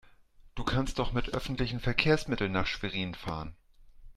Du kannst doch mit öffentlichen Verkehrsmitteln nach Schwerin fahren